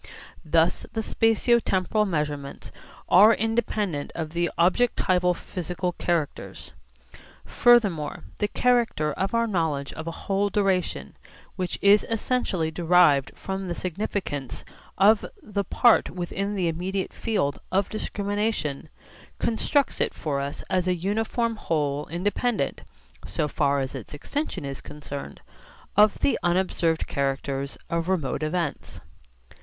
Thus the spatio temporal measurements are independent of the objectival physical characters. Furthermore the character of our knowledge of a whole duration, which is essentially derived from the significance of the part within the immediate field of discrimination, constructs it for us as a uniform whole independent, so far as its extension is concerned, of the unobserved characters of remote events.